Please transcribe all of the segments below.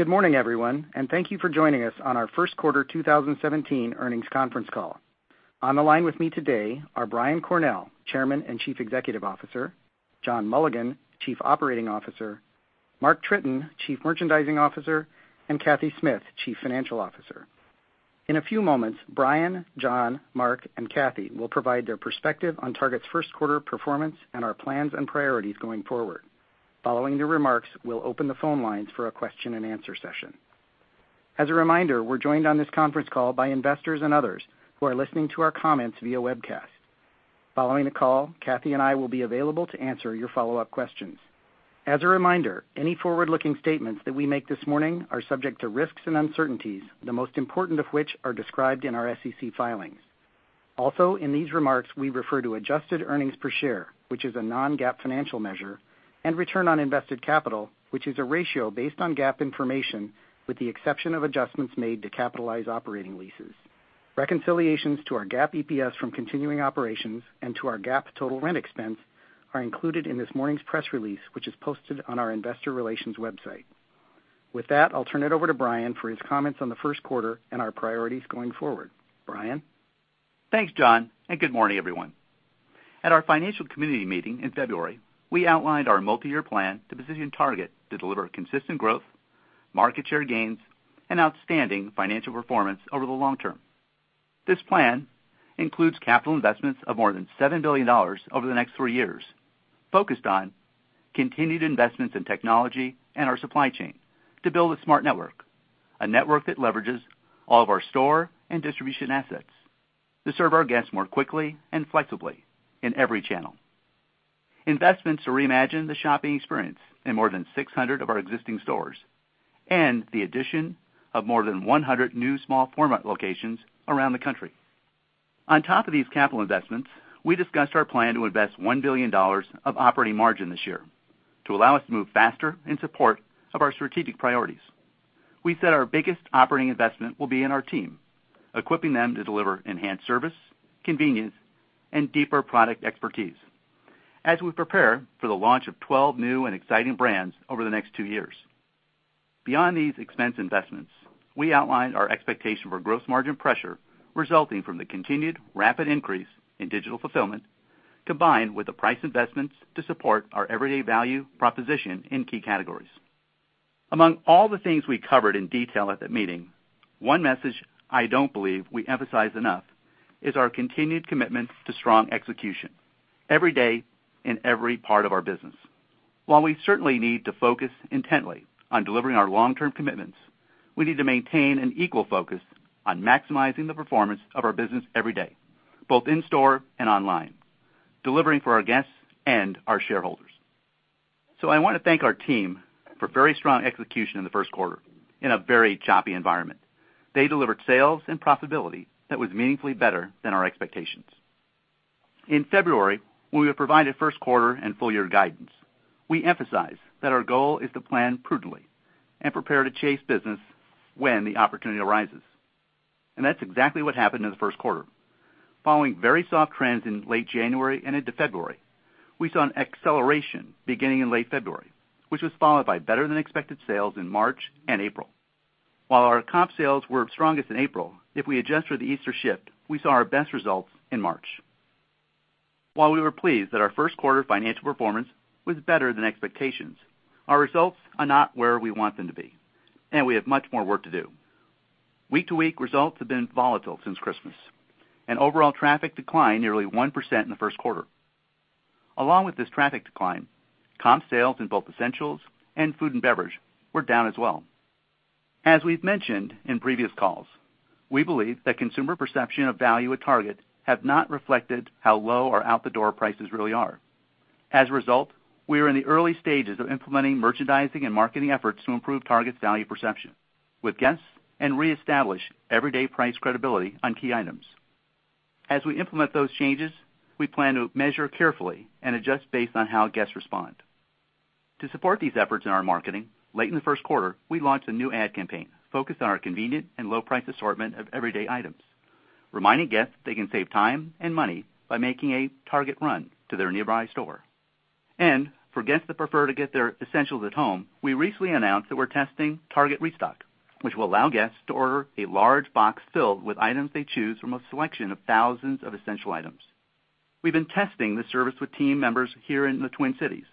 Good morning, everyone, thank you for joining us on our first quarter 2017 earnings conference call. On the line with me today are Brian Cornell, Chairman and Chief Executive Officer, John Mulligan, Chief Operating Officer, Mark Tritton, Chief Merchandising Officer, and Cathy Smith, Chief Financial Officer. In a few moments, Brian, John, Mark, and Cathy will provide their perspective on Target's first quarter performance and our plans and priorities going forward. Following their remarks, we'll open the phone lines for a question and answer session. As a reminder, we're joined on this conference call by investors and others who are listening to our comments via webcast. Following the call, Cathy and I will be available to answer your follow-up questions. As a reminder, any forward-looking statements that we make this morning are subject to risks and uncertainties, the most important of which are described in our SEC filings. In these remarks, we refer to adjusted earnings per share, which is a non-GAAP financial measure, and return on invested capital, which is a ratio based on GAAP information with the exception of adjustments made to capitalize operating leases. Reconciliations to our GAAP EPS from continuing operations and to our GAAP total rent expense are included in this morning's press release, which is posted on our investor relations website. With that, I'll turn it over to Brian for his comments on the first quarter and our priorities going forward. Brian? Thanks, John, good morning, everyone. At our financial community meeting in February, we outlined our multi-year plan to position Target to deliver consistent growth, market share gains, and outstanding financial performance over the long term. This plan includes capital investments of more than $7 billion over the next three years, focused on continued investments in technology and our supply chain to build a smart network, a network that leverages all of our store and distribution assets to serve our guests more quickly and flexibly in every channel. Investments to reimagine the shopping experience in more than 600 of our existing stores and the addition of more than 100 new small format locations around the country. On top of these capital investments, we discussed our plan to invest $1 billion of operating margin this year to allow us to move faster in support of our strategic priorities. We said our biggest operating investment will be in our team, equipping them to deliver enhanced service, convenience, and deeper product expertise as we prepare for the launch of 12 new and exciting brands over the next two years. Beyond these expense investments, we outlined our expectation for gross margin pressure resulting from the continued rapid increase in digital fulfillment, combined with the price investments to support our everyday value proposition in key categories. Among all the things we covered in detail at that meeting, one message I don't believe we emphasize enough is our continued commitment to strong execution every day in every part of our business. While we certainly need to focus intently on delivering our long-term commitments, we need to maintain an equal focus on maximizing the performance of our business every day, both in store and online, delivering for our guests and our shareholders. I want to thank our team for very strong execution in the first quarter in a very choppy environment. They delivered sales and profitability that was meaningfully better than our expectations. In February, when we provided first quarter and full year guidance, we emphasized that our goal is to plan prudently and prepare to chase business when the opportunity arises. That's exactly what happened in the first quarter. Following very soft trends in late January and into February, we saw an acceleration beginning in late February, which was followed by better than expected sales in March and April. While our comp sales were strongest in April, if we adjust for the Easter shift, we saw our best results in March. While we were pleased that our first quarter financial performance was better than expectations, our results are not where we want them to be, and we have much more work to do. Week-to-week results have been volatile since Christmas, and overall traffic declined nearly 1% in the first quarter. Along with this traffic decline, comp sales in both essentials and food and beverage were down as well. As we've mentioned in previous calls, we believe that consumer perception of value at Target have not reflected how low our out-the-door prices really are. As a result, we are in the early stages of implementing merchandising and marketing efforts to improve Target's value perception with guests and reestablish everyday price credibility on key items. As we implement those changes, we plan to measure carefully and adjust based on how guests respond. To support these efforts in our marketing, late in the first quarter, we launched a new ad campaign focused on our convenient and low price assortment of everyday items, reminding guests they can save time and money by making a Target run to their nearby store. For guests that prefer to get their essentials at home, we recently announced that we're testing Target Restock, which will allow guests to order a large box filled with items they choose from a selection of thousands of essential items. We've been testing this service with team members here in the Twin Cities,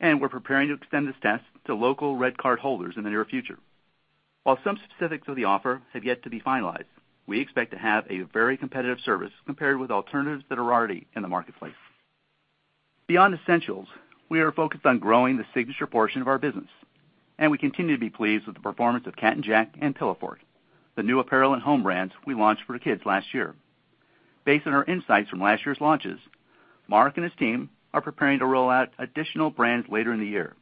and we're preparing to extend this test to local RedCard holders in the near future. While some specifics of the offer have yet to be finalized, we expect to have a very competitive service compared with alternatives that are already in the marketplace. Beyond essentials, we are focused on growing the signature portion of our business, and we continue to be pleased with the performance of Cat & Jack and Pillowfort, the new apparel and home brands we launched for kids last year. Based on our insights from last year's launches, Mark and his team are preparing to roll out additional brands later in the year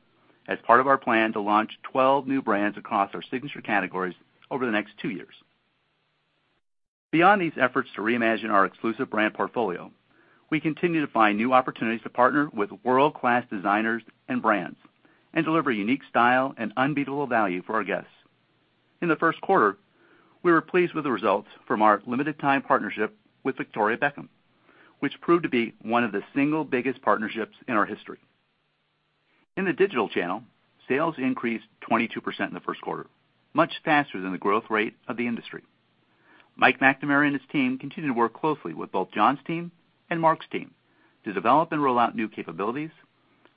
as part of our plan to launch 12 new brands across our signature categories over the next two years. Beyond these efforts to reimagine our exclusive brand portfolio, we continue to find new opportunities to partner with world-class designers and brands and deliver unique style and unbeatable value for our guests. In the first quarter, we were pleased with the results from our limited time partnership with Victoria Beckham, which proved to be one of the single biggest partnerships in our history. In the digital channel, sales increased 22% in the first quarter, much faster than the growth rate of the industry. Mike McNamara and his team continue to work closely with both John's team and Mark's team to develop and roll out new capabilities,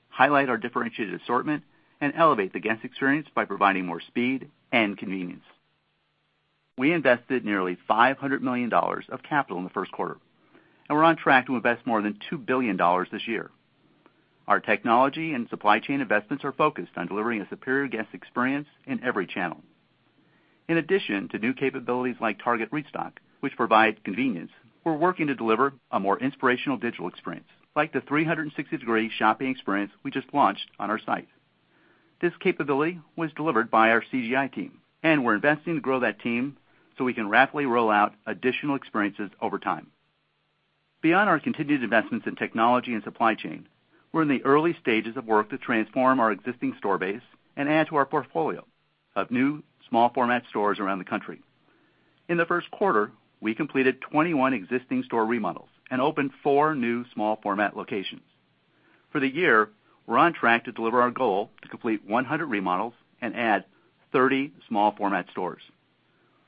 highlight our differentiated assortment, and elevate the guest experience by providing more speed and convenience. We invested nearly $500 million of capital in the first quarter, and we're on track to invest more than $2 billion this year. Our technology and supply chain investments are focused on delivering a superior guest experience in every channel. In addition to new capabilities like Target Restock, which provide convenience, we're working to deliver a more inspirational digital experience, like the 360 degree shopping experience we just launched on our site. This capability was delivered by our CGI team, we're investing to grow that team so we can rapidly roll out additional experiences over time. Beyond our continued investments in technology and supply chain, we're in the early stages of work to transform our existing store base and add to our portfolio of new small format stores around the country. In the first quarter, we completed 21 existing store remodels and opened four new small format locations. For the year, we're on track to deliver our goal to complete 100 remodels and add 30 small format stores.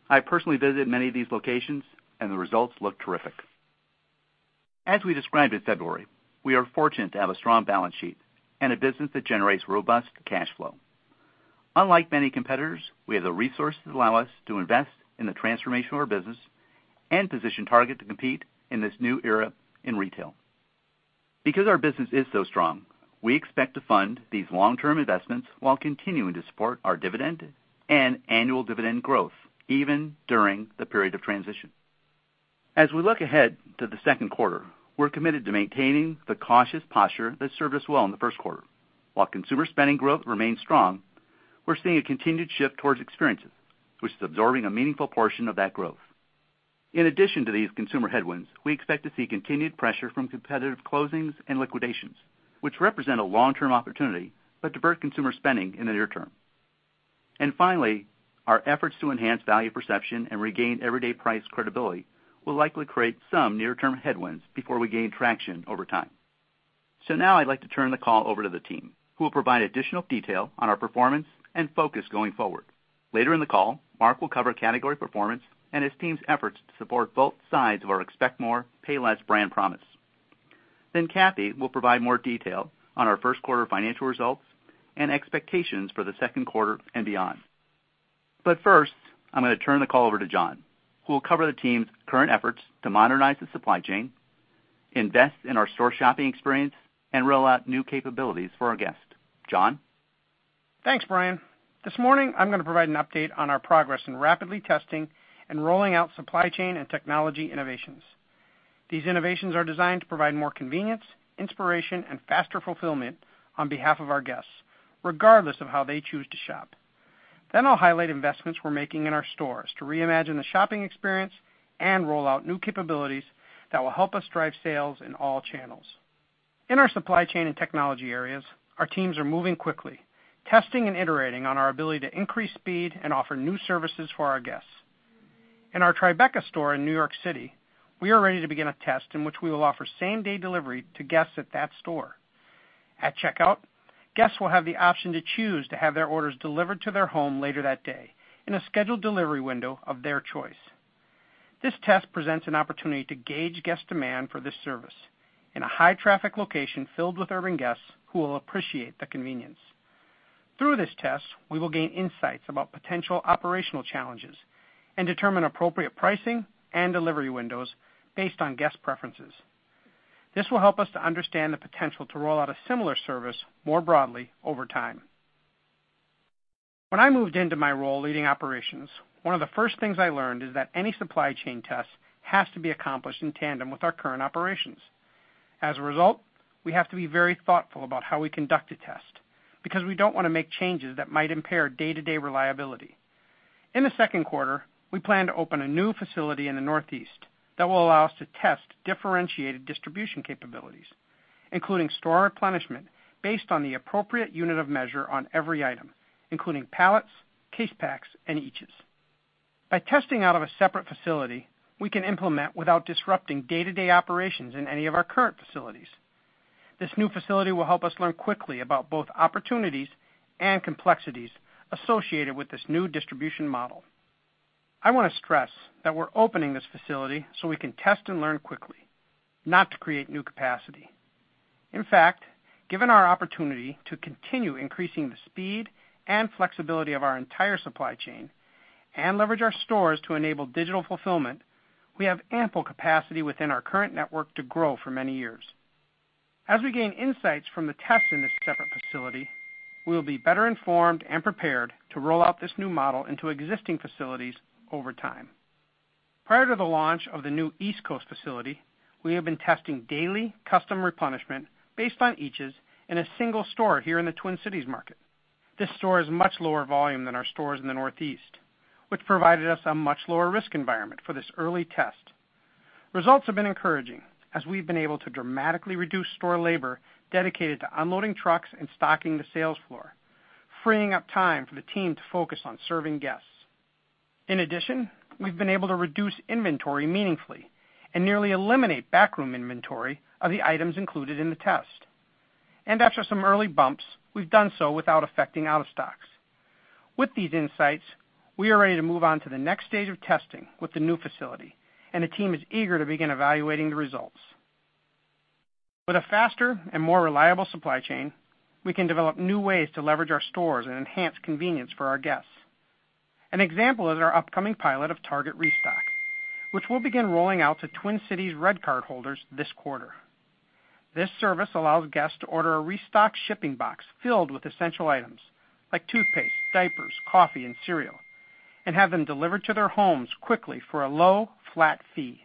I personally visited many of these locations and the results look terrific. As we described in February, we are fortunate to have a strong balance sheet and a business that generates robust cash flow. Unlike many competitors, we have the resources that allow us to invest in the transformation of our business and position Target to compete in this new era in retail. Our business is so strong, we expect to fund these long-term investments while continuing to support our dividend and annual dividend growth, even during the period of transition. We look ahead to the second quarter, we're committed to maintaining the cautious posture that served us well in the first quarter. Consumer spending growth remains strong, we're seeing a continued shift towards experiences, which is absorbing a meaningful portion of that growth. In addition to these consumer headwinds, we expect to see continued pressure from competitive closings and liquidations, which represent a long-term opportunity but divert consumer spending in the near term. Finally, our efforts to enhance value perception and regain everyday price credibility will likely create some near-term headwinds before we gain traction over time. Now I'd like to turn the call over to the team, who will provide additional detail on our performance and focus going forward. Later in the call, Mark will cover category performance and his team's efforts to support both sides of our Expect More. Pay Less. brand promise. Cathy will provide more detail on our first quarter financial results and expectations for the second quarter and beyond. First, I'm gonna turn the call over to John, who will cover the team's current efforts to modernize the supply chain, invest in our store shopping experience, and roll out new capabilities for our guests. John? Thanks, Brian. This morning I'm gonna provide an update on our progress in rapidly testing and rolling out supply chain and technology innovations. These innovations are designed to provide more convenience, inspiration, and faster fulfillment on behalf of our guests, regardless of how they choose to shop. I'll highlight investments we're making in our stores to reimagine the shopping experience and roll out new capabilities that will help us drive sales in all channels. In our supply chain and technology areas, our teams are moving quickly, testing and iterating on our ability to increase speed and offer new services for our guests. In our Tribeca store in New York City, we are ready to begin a test in which we will offer same-day delivery to guests at that store. At checkout, guests will have the option to choose to have their orders delivered to their home later that day in a scheduled delivery window of their choice. This test presents an opportunity to gauge guest demand for this service in a high traffic location filled with urban guests who will appreciate the convenience. Through this test, we will gain insights about potential operational challenges and determine appropriate pricing and delivery windows based on guest preferences. This will help us to understand the potential to roll out a similar service more broadly over time. When I moved into my role leading operations, one of the first things I learned is that any supply chain test has to be accomplished in tandem with our current operations. A result, we have to be very thoughtful about how we conduct a test, because we don't wanna make changes that might impair day-to-day reliability. In the second quarter, we plan to open a new facility in the Northeast that will allow us to test differentiated distribution capabilities, including store replenishment based on the appropriate unit of measure on every item, including pallets, case packs, and eachs. By testing out of a separate facility, we can implement without disrupting day-to-day operations in any of our current facilities. This new facility will help us learn quickly about both opportunities and complexities associated with this new distribution model. I wanna stress that we're opening this facility so we can test and learn quickly, not to create new capacity. In fact, given our opportunity to continue increasing the speed and flexibility of our entire supply chain and leverage our stores to enable digital fulfillment, we have ample capacity within our current network to grow for many years. We gain insights from the tests in this separate facility, we will be better informed and prepared to roll out this new model into existing facilities over time. Prior to the launch of the new East Coast facility, we have been testing daily custom replenishment based on eachs in a single store here in the Twin Cities market. This store is much lower volume than our stores in the Northeast, which provided us a much lower risk environment for this early test. Results have been encouraging, as we've been able to dramatically reduce store labor dedicated to unloading trucks and stocking the sales floor, freeing up time for the team to focus on serving guests. In addition, we've been able to reduce inventory meaningfully and nearly eliminate backroom inventory of the items included in the test. After some early bumps, we've done so without affecting out-of-stocks. With these insights, we are ready to move on to the next stage of testing with the new facility, and the team is eager to begin evaluating the results. With a faster and more reliable supply chain, we can develop new ways to leverage our stores and enhance convenience for our guests. An example is our upcoming pilot of Target Restock, which we'll begin rolling out to Twin Cities RedCard holders this quarter. This service allows guests to order a Restock shipping box filled with essential items like toothpaste, diapers, coffee, and cereal, and have them delivered to their homes quickly for a low flat fee.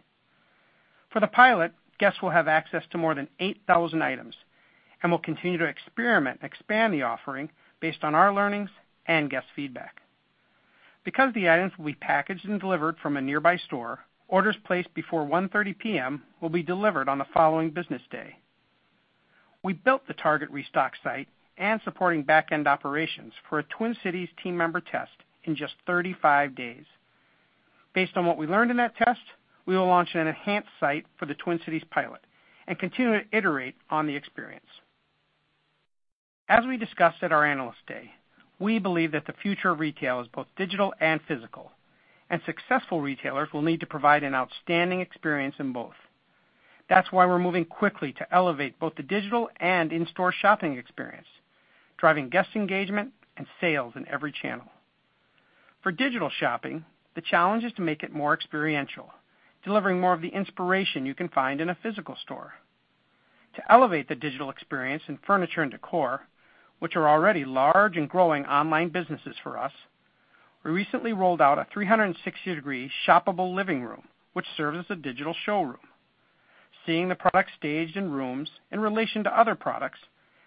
For the pilot, guests will have access to more than 8,000 items. We'll continue to experiment and expand the offering based on our learnings and guest feedback. Because the items will be packaged and delivered from a nearby store, orders placed before 1:30 P.M. will be delivered on the following business day. We built the Target Restock site and supporting back-end operations for a Twin Cities team member test in just 35 days. Based on what we learned in that test, we will launch an enhanced site for the Twin Cities pilot and continue to iterate on the experience. As we discussed at our Analyst Day, we believe that the future of retail is both digital and physical. Successful retailers will need to provide an outstanding experience in both. That's why we're moving quickly to elevate both the digital and in-store shopping experience, driving guest engagement and sales in every channel. For digital shopping, the challenge is to make it more experiential, delivering more of the inspiration you can find in a physical store. To elevate the digital experience in furniture and decor, which are already large and growing online businesses for us, we recently rolled out a 360-degree shoppable living room, which serves as a digital showroom. Seeing the product staged in rooms in relation to other products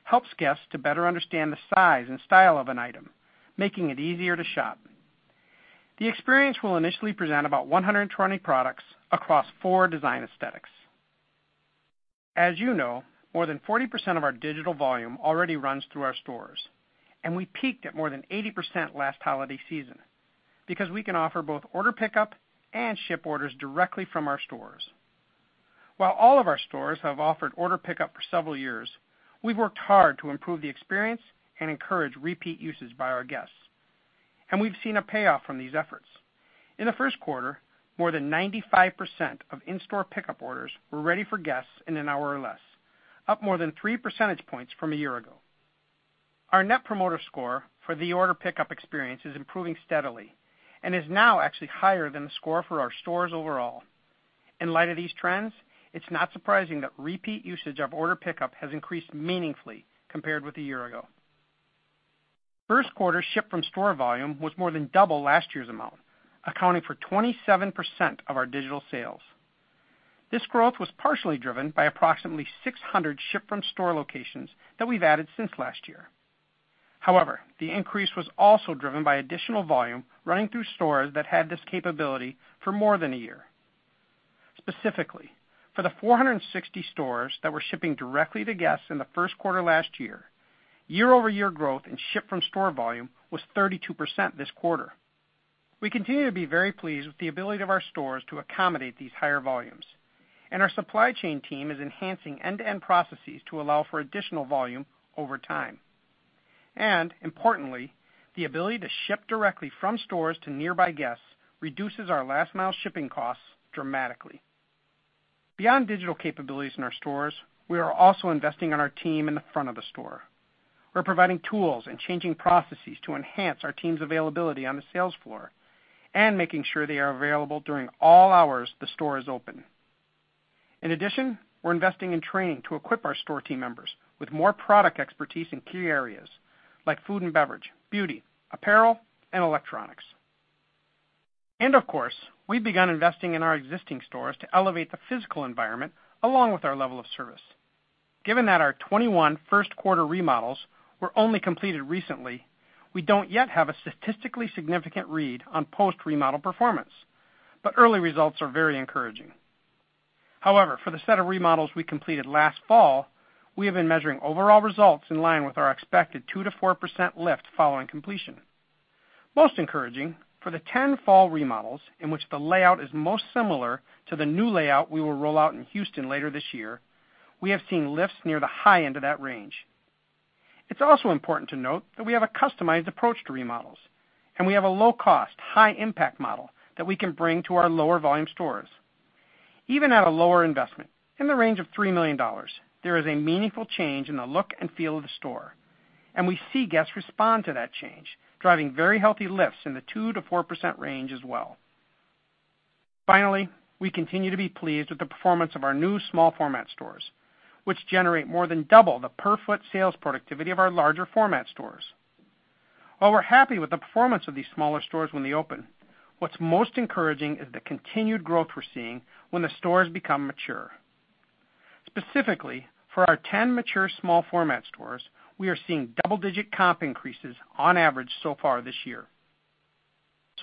helps guests to better understand the size and style of an item, making it easier to shop. The experience will initially present about 120 products across four design aesthetics. As you know, more than 40% of our digital volume already runs through our stores. We peaked at more than 80% last holiday season because we can offer both order pickup and ship orders directly from our stores. While all of our stores have offered order pickup for several years, we've worked hard to improve the experience and encourage repeat usage by our guests. We've seen a payoff from these efforts. In the first quarter, more than 95% of in-store pickup orders were ready for guests in an hour or less, up more than three percentage points from a year ago. Our net promoter score for the order pickup experience is improving steadily and is now actually higher than the score for our stores overall. In light of these trends, it's not surprising that repeat usage of order pickup has increased meaningfully compared with a year ago. First quarter ship-from-store volume was more than double last year's amount, accounting for 27% of our digital sales. This growth was partially driven by approximately 600 ship-from-store locations that we've added since last year. However, the increase was also driven by additional volume running through stores that had this capability for more than a year. Specifically, for the 460 stores that were shipping directly to guests in the first quarter last year-over-year growth in ship-from-store volume was 32% this quarter. We continue to be very pleased with the ability of our stores to accommodate these higher volumes, and our supply chain team is enhancing end-to-end processes to allow for additional volume over time. Importantly, the ability to ship directly from stores to nearby guests reduces our last-mile shipping costs dramatically. Beyond digital capabilities in our stores, we are also investing in our team in the front of the store. We're providing tools and changing processes to enhance our team's availability on the sales floor and making sure they are available during all hours the store is open. In addition, we're investing in training to equip our store team members with more product expertise in key areas like food and beverage, beauty, apparel, and electronics. Of course, we've begun investing in our existing stores to elevate the physical environment along with our level of service. Given that our 21 first-quarter remodels were only completed recently, we don't yet have a statistically significant read on post-remodel performance. Early results are very encouraging. However, for the set of remodels we completed last fall, we have been measuring overall results in line with our expected 2%-4% lift following completion. Most encouraging, for the 10 fall remodels in which the layout is most similar to the new layout we will roll out in Houston later this year, we have seen lifts near the high end of that range. It's also important to note that we have a customized approach to remodels, and we have a low-cost, high-impact model that we can bring to our lower-volume stores. Even at a lower investment, in the range of $3 million, there is a meaningful change in the look and feel of the store, and we see guests respond to that change, driving very healthy lifts in the 2%-4% range as well. Finally, we continue to be pleased with the performance of our new small format stores, which generate more than double the per-foot sales productivity of our larger format stores. While we're happy with the performance of these smaller stores when they open, what's most encouraging is the continued growth we're seeing when the stores become mature. Specifically, for our 10 mature small format stores, we are seeing double-digit comp increases on average so far this year.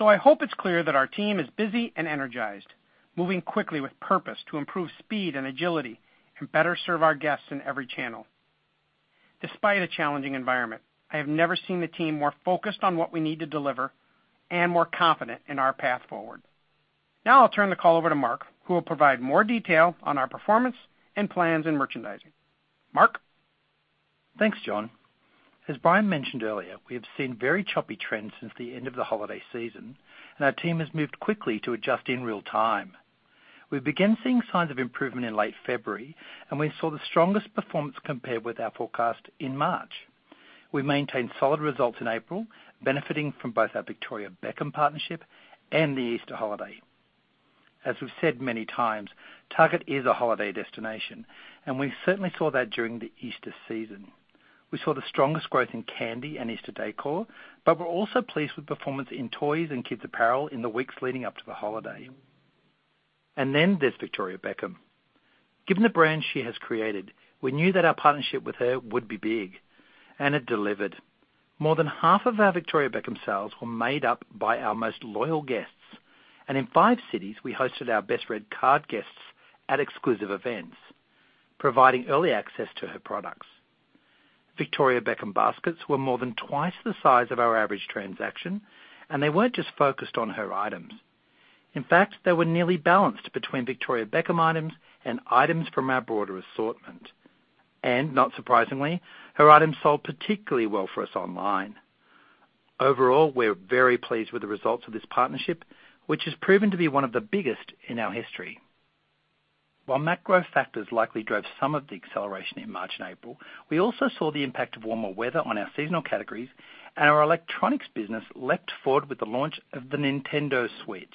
I hope it's clear that our team is busy and energized, moving quickly with purpose to improve speed and agility and better serve our guests in every channel. Despite a challenging environment, I have never seen the team more focused on what we need to deliver and more confident in our path forward. I'll turn the call over to Mark, who will provide more detail on our performance and plans in merchandising. Mark? Thanks, John. As Brian mentioned earlier, we have seen very choppy trends since the end of the holiday season. Our team has moved quickly to adjust in real time. We began seeing signs of improvement in late February. We saw the strongest performance compared with our forecast in March. We maintained solid results in April, benefiting from both our Victoria Beckham partnership and the Easter holiday. As we've said many times, Target is a holiday destination, and we certainly saw that during the Easter season. We saw the strongest growth in candy and Easter decor. We're also pleased with performance in toys and kids apparel in the weeks leading up to the holiday. There's Victoria Beckham. Given the brand she has created, we knew that our partnership with her would be big. It delivered. More than half of our Victoria Beckham sales were made up by our most loyal guests. In five cities, we hosted our best RedCard guests at exclusive events, providing early access to her products. Victoria Beckham baskets were more than twice the size of our average transaction. They weren't just focused on her items. In fact, they were nearly balanced between Victoria Beckham items and items from our broader assortment. Not surprisingly, her items sold particularly well for us online. Overall, we're very pleased with the results of this partnership, which has proven to be one of the biggest in our history. While macro factors likely drove some of the acceleration in March and April, we also saw the impact of warmer weather on our seasonal categories, and our electronics business leapt forward with the launch of the Nintendo Switch.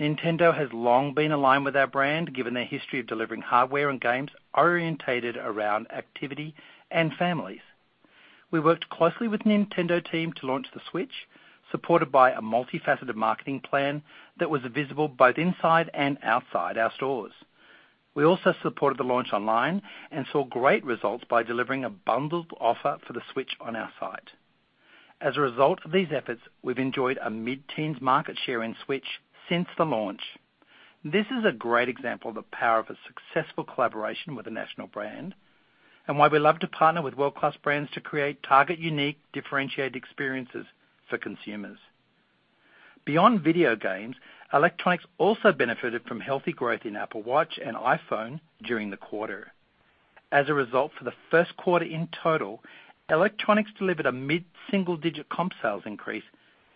Nintendo has long been aligned with our brand, given their history of delivering hardware and games orientated around activity and families. We worked closely with the Nintendo team to launch the Switch, supported by a multifaceted marketing plan that was visible both inside and outside our stores. We also supported the launch online and saw great results by delivering a bundled offer for the Switch on our site. As a result of these efforts, we've enjoyed a mid-teens market share in Switch since the launch. This is a great example of the power of a successful collaboration with a national brand. We love to partner with world-class brands to create Target unique, differentiated experiences for consumers. Beyond video games, electronics also benefited from healthy growth in Apple Watch and iPhone during the quarter. As a result, for the first quarter in total, electronics delivered a mid-single digit comp sales increase,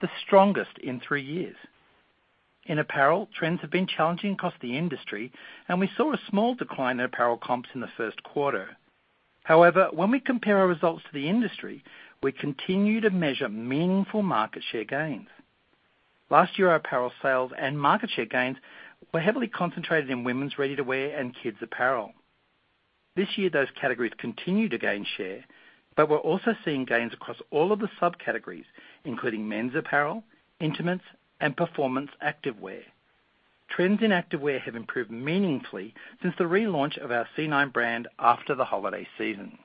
the strongest in three years. In apparel, trends have been challenging across the industry, and we saw a small decline in apparel comps in the first quarter. However, when we compare our results to the industry, we continue to measure meaningful market share gains. Last year, our apparel sales and market share gains were heavily concentrated in women's ready-to-wear and kids apparel. This year, those categories continue to gain share, but we're also seeing gains across all of the subcategories, including men's apparel, intimates, and performance activewear. Trends in activewear have improved meaningfully since the relaunch of our C9 brand after the holiday season.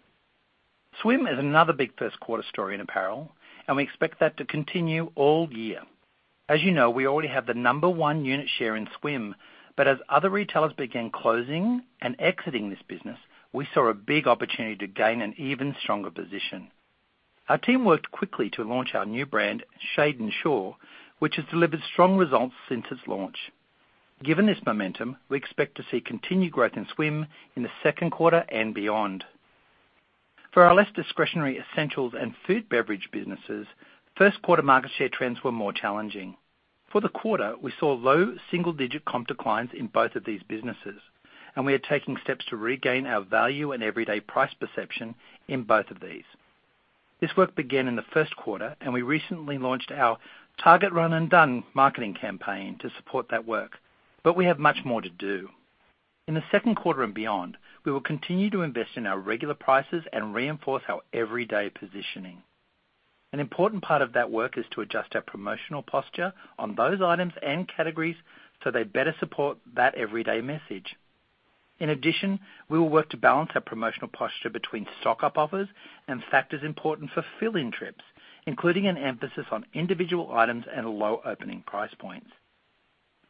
Swim is another big first quarter story in apparel, and we expect that to continue all year. As you know, we already have the number one unit share in swim, but as other retailers began closing and exiting this business, we saw a big opportunity to gain an even stronger position. Our team worked quickly to launch our new brand, Shade & Shore, which has delivered strong results since its launch. Given this momentum, we expect to see continued growth in swim in the second quarter and beyond. For our less discretionary essentials and food beverage businesses, first quarter market share trends were more challenging. For the quarter, we saw low single-digit comp declines in both of these businesses. We are taking steps to regain our value and everyday price perception in both of these. This work began in the first quarter. We recently launched our Target Run and Done marketing campaign to support that work. We have much more to do. In the second quarter and beyond, we will continue to invest in our regular prices and reinforce our everyday positioning. An important part of that work is to adjust our promotional posture on those items and categories so they better support that everyday message. In addition, we will work to balance our promotional posture between stock-up offers and factors important for fill-in trips, including an emphasis on individual items and low opening price points.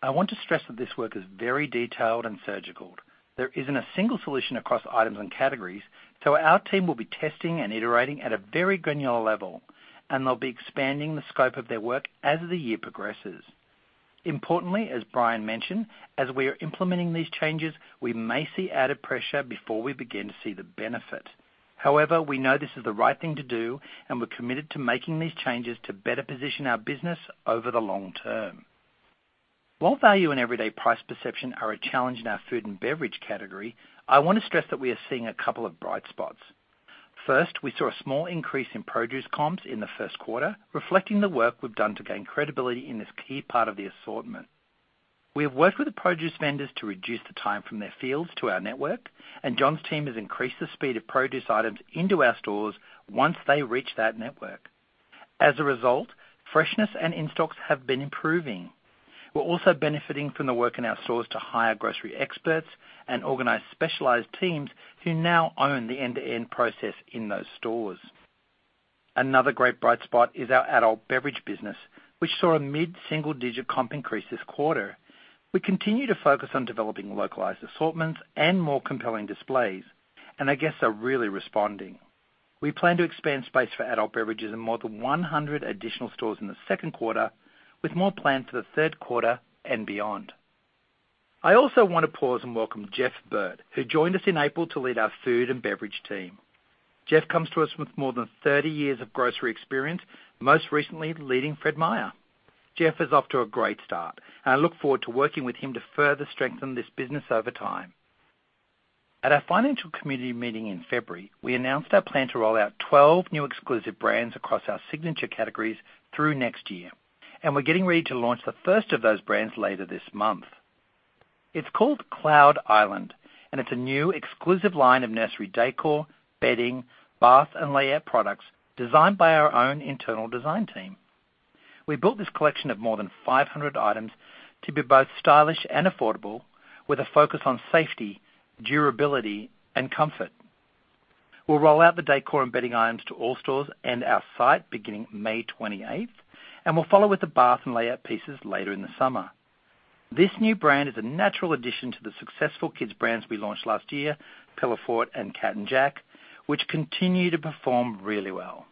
I want to stress that this work is very detailed and surgical. There isn't a single solution across items and categories. Our team will be testing and iterating at a very granular level. They'll be expanding the scope of their work as the year progresses. Importantly, as Brian mentioned, as we are implementing these changes, we may see added pressure before we begin to see the benefit. However, we know this is the right thing to do, and we're committed to making these changes to better position our business over the long term. While value and everyday price perception are a challenge in our food and beverage category, I want to stress that we are seeing a couple of bright spots. First, we saw a small increase in produce comps in the first quarter, reflecting the work we've done to gain credibility in this key part of the assortment. We have worked with the produce vendors to reduce the time from their fields to our network, and John's team has increased the speed of produce items into our stores once they reach that network. As a result, freshness and in-stocks have been improving. We're also benefiting from the work in our stores to hire grocery experts and organize specialized teams who now own the end-to-end process in those stores. Another great bright spot is our adult beverage business, which saw a mid-single digit comp increase this quarter. We continue to focus on developing localized assortments and more compelling displays, and our guests are really responding. We plan to expand space for adult beverages in more than 100 additional stores in the second quarter, with more planned for the third quarter and beyond. I also want to pause and welcome Jeff Burt, who joined us in April to lead our food and beverage team. Jeff comes to us with more than 30 years of grocery experience, most recently leading Fred Meyer. Jeff is off to a great start, and I look forward to working with him to further strengthen this business over time. At our financial community meeting in February, we announced our plan to roll out 12 new exclusive brands across our signature categories through next year. We're getting ready to launch the first of those brands later this month. It's called Cloud Island, and it's a new exclusive line of nursery décor, bedding, bath, and layette products designed by our own internal design team. We built this collection of more than 500 items to be both stylish and affordable, with a focus on safety, durability, and comfort. We'll roll out the décor and bedding items to all stores and our site beginning May 28th. We'll follow with the bath and layette pieces later in the summer. This new brand is a natural addition to the successful kids brands we launched last year, Pillowfort and Cat & Jack, which continue to perform really well.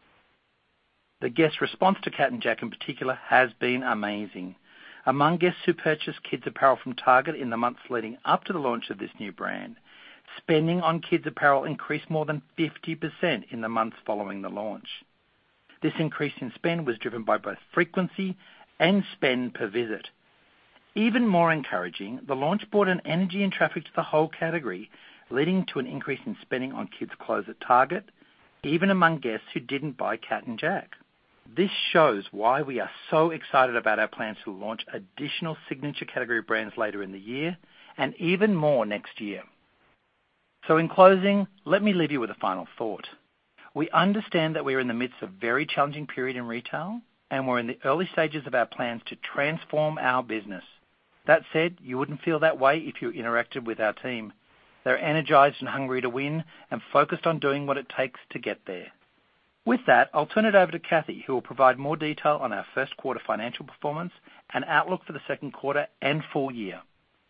The guest response to Cat & Jack in particular has been amazing. Among guests who purchased kids apparel from Target in the months leading up to the launch of this new brand, spending on kids apparel increased more than 50% in the months following the launch. This increase in spend was driven by both frequency and spend per visit. Even more encouraging, the launch brought an energy and traffic to the whole category, leading to an increase in spending on kids clothes at Target, even among guests who didn't buy Cat & Jack. This shows why we are so excited about our plans to launch additional signature category brands later in the year and even more next year. In closing, let me leave you with a final thought. We understand that we are in the midst of a very challenging period in retail. We're in the early stages of our plans to transform our business. That said, you wouldn't feel that way if you interacted with our team. They're energized and hungry to win and focused on doing what it takes to get there. With that, I'll turn it over to Cathy, who will provide more detail on our first quarter financial performance and outlook for the second quarter and full year.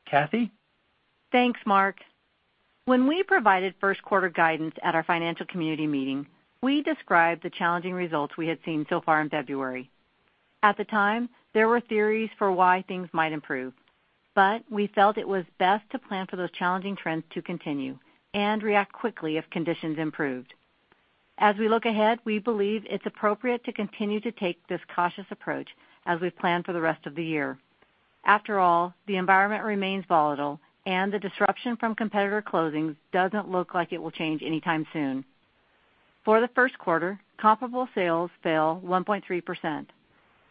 Cathy? Thanks, Mark. When we provided first quarter guidance at our financial community meeting, we described the challenging results we had seen so far in February. At the time, there were theories for why things might improve, but we felt it was best to plan for those challenging trends to continue and react quickly if conditions improved. As we look ahead, we believe it's appropriate to continue to take this cautious approach as we plan for the rest of the year. After all, the environment remains volatile, and the disruption from competitor closings doesn't look like it will change anytime soon. For the first quarter, comparable sales fell 1.3%.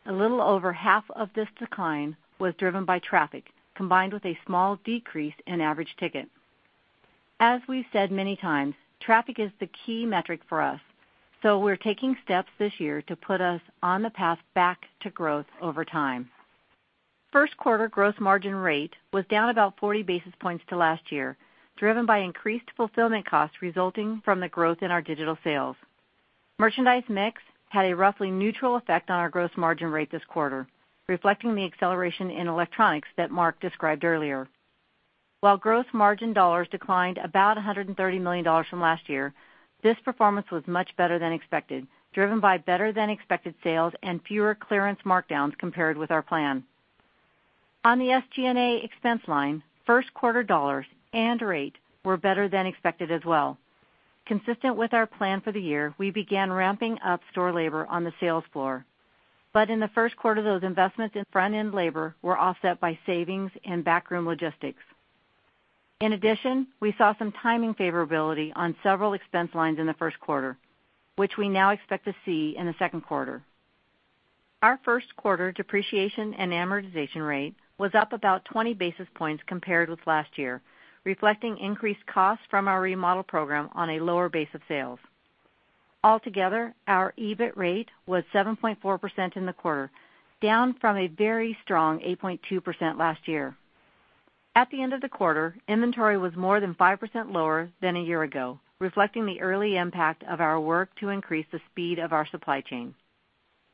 A little over half of this decline was driven by traffic, combined with a small decrease in average ticket. As we've said many times, traffic is the key metric for us. We're taking steps this year to put us on the path back to growth over time. First quarter gross margin rate was down about 40 basis points to last year, driven by increased fulfillment costs resulting from the growth in our digital sales. Merchandise mix had a roughly neutral effect on our gross margin rate this quarter, reflecting the acceleration in electronics that Mark described earlier. While gross margin dollars declined about $130 million from last year, this performance was much better than expected, driven by better than expected sales and fewer clearance markdowns compared with our plan. On the SG&A expense line, first quarter dollars and rate were better than expected as well. Consistent with our plan for the year, we began ramping up store labor on the sales floor. In the first quarter, those investments in front-end labor were offset by savings and backroom logistics. In addition, we saw some timing favorability on several expense lines in the first quarter, which we now expect to see in the second quarter. Our first quarter depreciation and amortization rate was up about 20 basis points compared with last year, reflecting increased costs from our remodel program on a lower base of sales. Altogether, our EBIT rate was 7.4% in the quarter, down from a very strong 8.2% last year. At the end of the quarter, inventory was more than 5% lower than a year ago, reflecting the early impact of our work to increase the speed of our supply chain.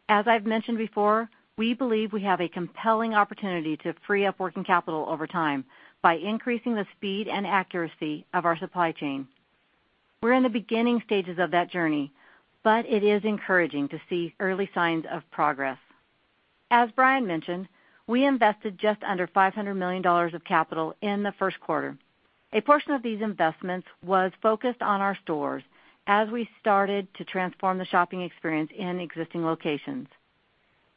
As I've mentioned before, we believe we have a compelling opportunity to free up working capital over time by increasing the speed and accuracy of our supply chain. We're in the beginning stages of that journey. It is encouraging to see early signs of progress. As Brian mentioned, we invested just under $500 million of capital in the first quarter. A portion of these investments was focused on our stores as we started to transform the shopping experience in existing locations.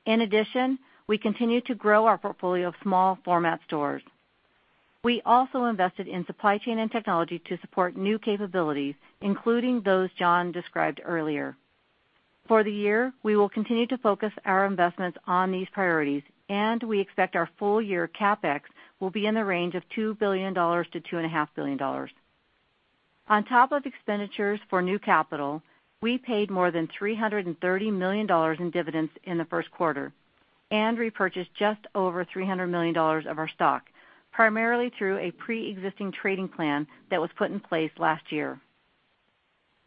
In addition, we continued to grow our portfolio of small format stores. We also invested in supply chain and technology to support new capabilities, including those John described earlier. For the year, we will continue to focus our investments on these priorities. We expect our full year CapEx will be in the range of $2 billion-$2.5 billion. On top of expenditures for new capital, we paid more than $330 million in dividends in the first quarter and repurchased just over $300 million of our stock, primarily through a preexisting trading plan that was put in place last year.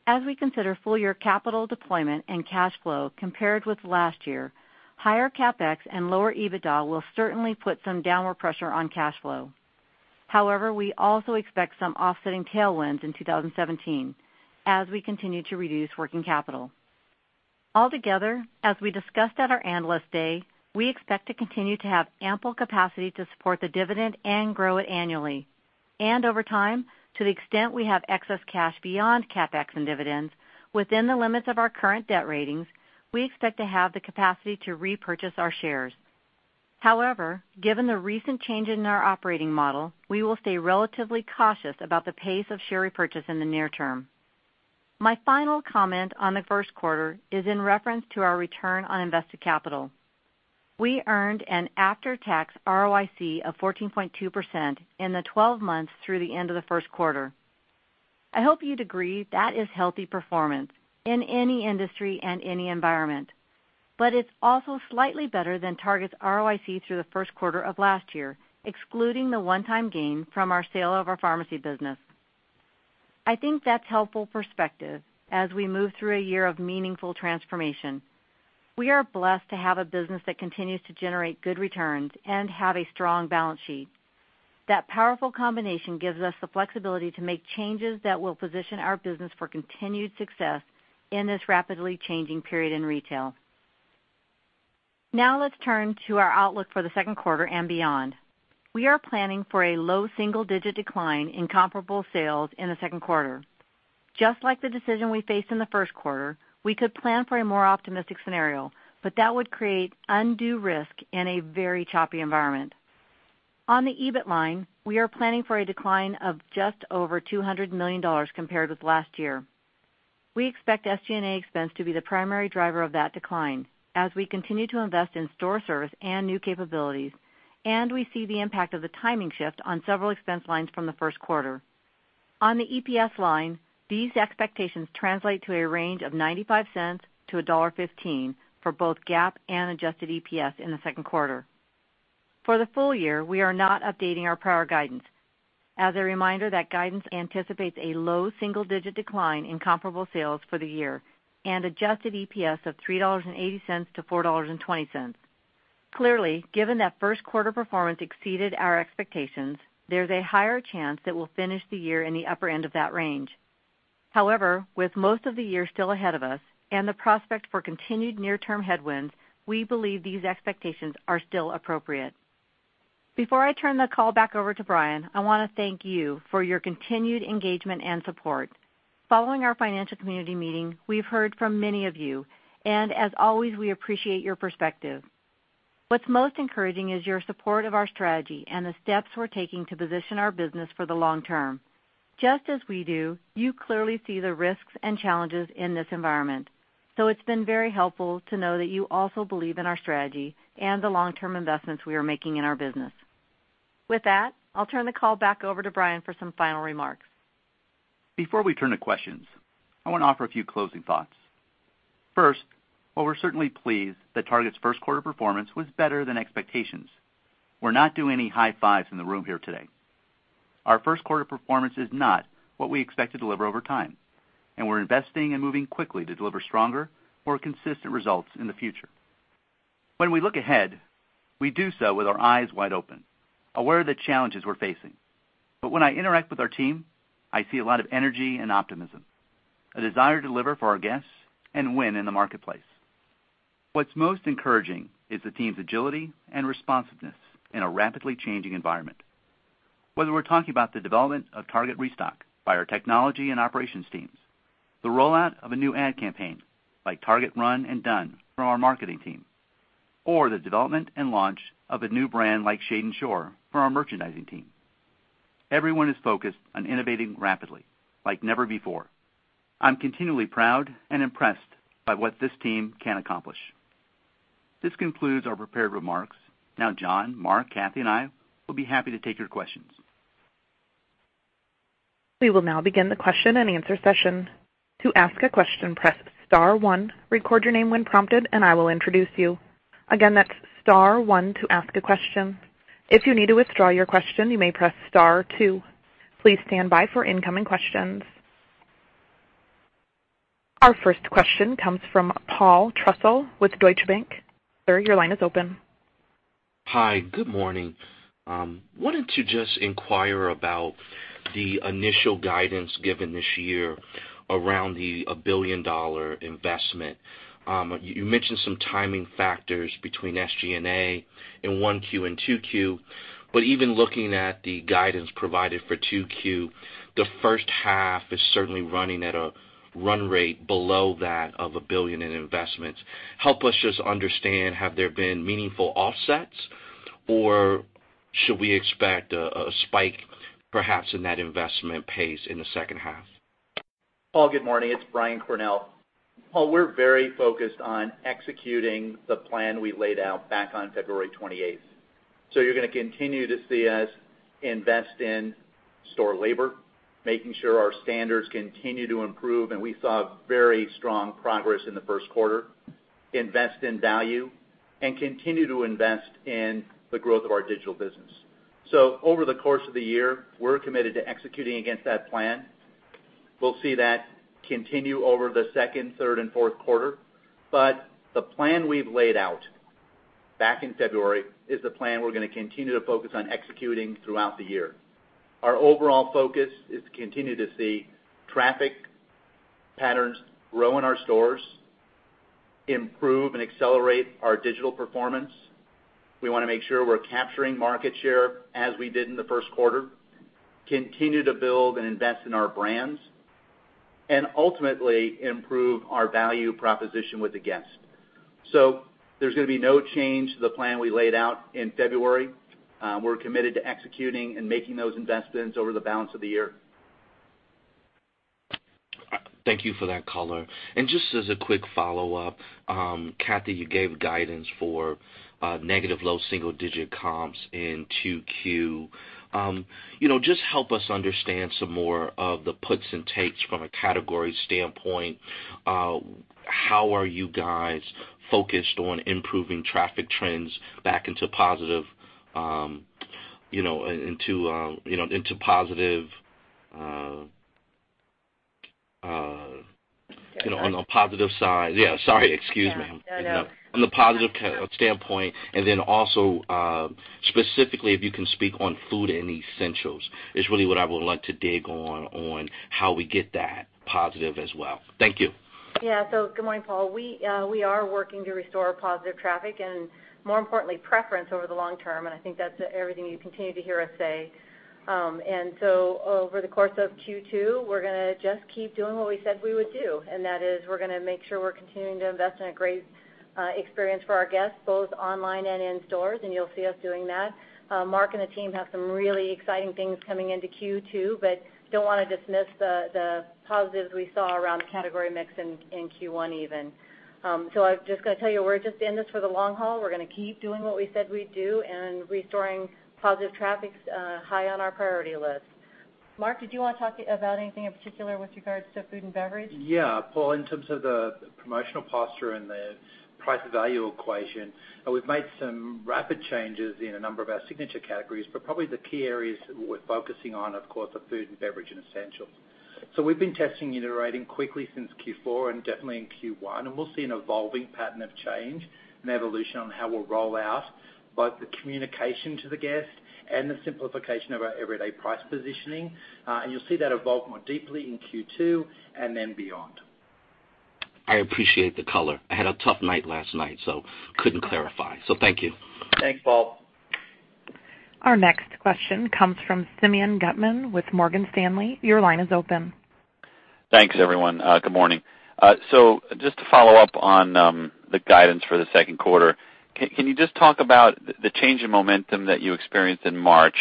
As we consider full-year capital deployment and cash flow compared with last year, higher CapEx and lower EBITDA will certainly put some downward pressure on cash flow. We also expect some offsetting tailwinds in 2017 as we continue to reduce working capital. Altogether, as we discussed at our Analyst Day, we expect to continue to have ample capacity to support the dividend and grow it annually. Over time, to the extent we have excess cash beyond CapEx and dividends, within the limits of our current debt ratings, we expect to have the capacity to repurchase our shares. Given the recent change in our operating model, we will stay relatively cautious about the pace of share repurchase in the near term. My final comment on the first quarter is in reference to our return on invested capital. We earned an after-tax ROIC of 14.2% in the 12 months through the end of the first quarter. I hope you'd agree that is healthy performance in any industry and any environment. It's also slightly better than Target's ROIC through the first quarter of last year, excluding the one-time gain from our sale of our pharmacy business. I think that's helpful perspective as we move through a year of meaningful transformation. We are blessed to have a business that continues to generate good returns and have a strong balance sheet. That powerful combination gives us the flexibility to make changes that will position our business for continued success in this rapidly changing period in retail. Let's turn to our outlook for the second quarter and beyond. We are planning for a low single-digit decline in comparable sales in the second quarter. Just like the decision we faced in the first quarter, we could plan for a more optimistic scenario, but that would create undue risk in a very choppy environment. On the EBIT line, we are planning for a decline of just over $200 million compared with last year. We expect SG&A expense to be the primary driver of that decline as we continue to invest in store service and new capabilities, and we see the impact of the timing shift on several expense lines from the first quarter. On the EPS line, these expectations translate to a range of $0.95-$1.15 for both GAAP and adjusted EPS in the second quarter. For the full year, we are not updating our prior guidance. As a reminder, that guidance anticipates a low single-digit decline in comparable sales for the year and adjusted EPS of $3.80-$4.20. Clearly, given that first quarter performance exceeded our expectations, there's a higher chance that we'll finish the year in the upper end of that range. With most of the year still ahead of us and the prospect for continued near-term headwinds, we believe these expectations are still appropriate. Before I turn the call back over to Brian, I want to thank you for your continued engagement and support. Following our financial community meeting, we've heard from many of you, and as always, we appreciate your perspective. What's most encouraging is your support of our strategy and the steps we're taking to position our business for the long term. Just as we do, you clearly see the risks and challenges in this environment. It's been very helpful to know that you also believe in our strategy and the long-term investments we are making in our business. With that, I'll turn the call back over to Brian for some final remarks. Before we turn to questions, I want to offer a few closing thoughts. First, while we're certainly pleased that Target's first quarter performance was better than expectations, we're not doing any high fives in the room here today. Our first quarter performance is not what we expect to deliver over time. We're investing and moving quickly to deliver stronger or consistent results in the future. When we look ahead, we do so with our eyes wide open, aware of the challenges we're facing. When I interact with our team, I see a lot of energy and optimism, a desire to deliver for our guests and win in the marketplace. What's most encouraging is the team's agility and responsiveness in a rapidly changing environment. Whether we're talking about the development of Target Restock by our technology and operations teams, the rollout of a new ad campaign like Target Run and Done from our marketing team, or the development and launch of a new brand like Shade & Shore for our merchandising team. Everyone is focused on innovating rapidly like never before. I'm continually proud and impressed by what this team can accomplish. This concludes our prepared remarks. Now, John, Mark, Cathy, and I will be happy to take your questions. We will now begin the question and answer session. To ask a question, press star one, record your name when prompted, and I will introduce you. Again, that's star one to ask a question. If you need to withdraw your question, you may press star two. Please stand by for incoming questions. Our first question comes from Paul Trussell with Deutsche Bank. Sir, your line is open. Hi. Good morning. Wanted to just inquire about the initial guidance given this year around the $1 billion investment. You mentioned some timing factors between SG&A in 1Q and 2Q. Even looking at the guidance provided for 2Q, the first half is certainly running at a run rate below that of a $1 billion in investments. Help us just understand, have there been meaningful offsets, or should we expect a spike perhaps in that investment pace in the second half? Paul, good morning. It's Brian Cornell. Paul, we're very focused on executing the plan we laid out back on February 28th. You're going to continue to see us invest in store labor, making sure our standards continue to improve, and we saw very strong progress in the first quarter, invest in value, and continue to invest in the growth of our digital business. Over the course of the year, we're committed to executing against that plan. We'll see that continue over the second, third, and fourth quarter. The plan we've laid out back in February is the plan we're going to continue to focus on executing throughout the year. Our overall focus is to continue to see traffic patterns grow in our stores, improve and accelerate our digital performance. We want to make sure we're capturing market share as we did in the first quarter, continue to build and invest in our brands, and ultimately improve our value proposition with the guest. There's going to be no change to the plan we laid out in February. We're committed to executing and making those investments over the balance of the year. Thank you for that color. Just as a quick follow-up, Cathy, you gave guidance for negative low single-digit comps in 2Q. Just help us understand some more of the puts and takes from a category standpoint. How are you guys focused on improving traffic trends back on a positive side. Yeah, sorry. Excuse me. Yeah. No. On the positive standpoint, also, specifically if you can speak on food and essentials, is really what I would like to dig on how we get that positive as well. Thank you. Good morning, Paul. We are working to restore positive traffic and more importantly, preference over the long term, I think that's everything you continue to hear us say. Over the course of Q2, we're going to just keep doing what we said we would do, that is we're going to make sure we're continuing to invest in a great experience for our guests, both online and in stores, you'll see us doing that. Mark and the team have some really exciting things coming into Q2, don't want to dismiss the positives we saw around the category mix in Q1 even. I'm just going to tell you, we're just in this for the long haul. We're going to keep doing what we said we'd do, and restoring positive traffic's high on our priority list. Mark, did you want to talk about anything in particular with regards to food and beverage? Yeah. Paul, in terms of the promotional posture and the price value equation, we've made some rapid changes in a number of our signature categories. Probably the key areas we're focusing on, of course, are food and beverage and essentials. We've been testing, iterating quickly since Q4 and definitely in Q1, and we'll see an evolving pattern of change and evolution on how we'll roll out both the communication to the guest and the simplification of our everyday price positioning. You'll see that evolve more deeply in Q2 and then beyond. I appreciate the color. I had a tough night last night, couldn't clarify. Thank you. Thanks, Paul. Our next question comes from Simeon Gutman with Morgan Stanley. Your line is open. Thanks, everyone. Good morning. Just to follow up on the guidance for the second quarter. Can you just talk about the change in momentum that you experienced in March?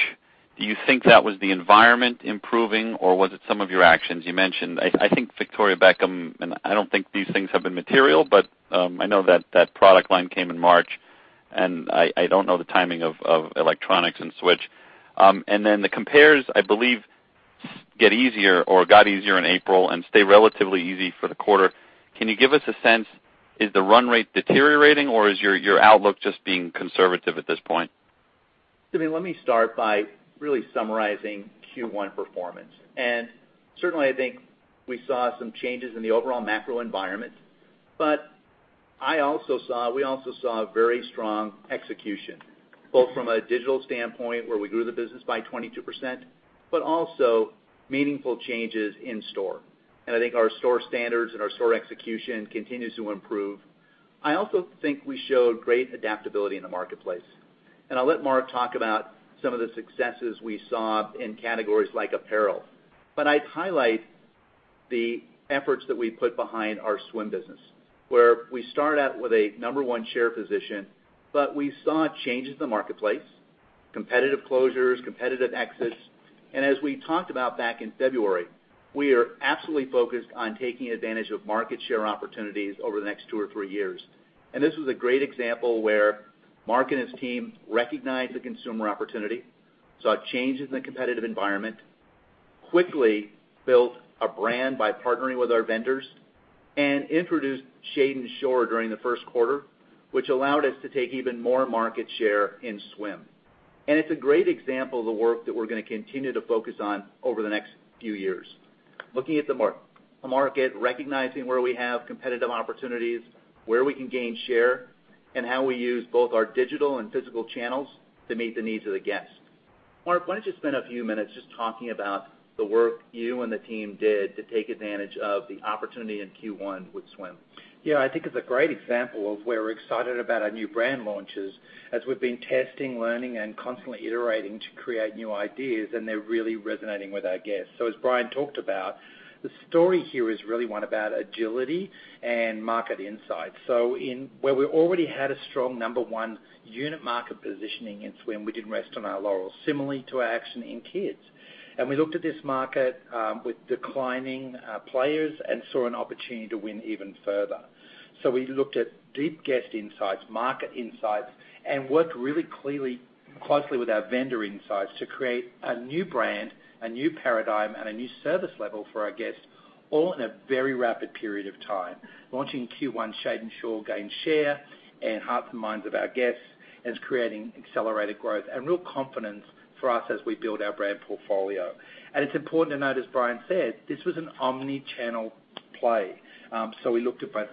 Do you think that was the environment improving, or was it some of your actions? You mentioned, I think Victoria Beckham, and I don't think these things have been material, but I know that that product line came in March, and I don't know the timing of electronics and Switch. The compares, I believe, get easier or got easier in April and stay relatively easy for the quarter. Can you give us a sense, is the run rate deteriorating or is your outlook just being conservative at this point? Simeon, let me start by really summarizing Q1 performance. Certainly, I think we saw some changes in the overall macro environment. We also saw very strong execution, both from a digital standpoint, where we grew the business by 22%, but also meaningful changes in store. I think our store standards and our store execution continues to improve. I also think we showed great adaptability in the marketplace. I'll let Mark talk about some of the successes we saw in categories like apparel. I'd highlight the efforts that we put behind our swim business, where we start out with a number 1 share position, but we saw changes in the marketplace, competitive closures, competitive exits. As we talked about back in February, we are absolutely focused on taking advantage of market share opportunities over the next two or three years. This was a great example where Mark and his team recognized the consumer opportunity, saw changes in the competitive environment, quickly built a brand by partnering with our vendors and introduced Shade & Shore during the first quarter, which allowed us to take even more market share in swim. It's a great example of the work that we're going to continue to focus on over the next few years. Looking at the market, recognizing where we have competitive opportunities, where we can gain share, and how we use both our digital and physical channels to meet the needs of the guest. Mark, why don't you spend a few minutes just talking about the work you and the team did to take advantage of the opportunity in Q1 with swim? I think it's a great example of where we're excited about our new brand launches as we've been testing, learning, and constantly iterating to create new ideas, and they're really resonating with our guests. As Brian talked about, the story here is really one about agility and market insight. Where we already had a strong number 1 unit market positioning in swim, we didn't rest on our laurels, similarly to our action in kids. We looked at this market with declining players and saw an opportunity to win even further. We looked at deep guest insights, market insights, and worked really clearly closely with our vendor insights to create a new brand, a new paradigm, and a new service level for our guests, all in a very rapid period of time. Launching in Q1, Shade & Shore gained share and hearts and minds of our guests. It's creating accelerated growth and real confidence for us as we build our brand portfolio. It's important to note, as Brian said, this was an omni-channel play. We looked at both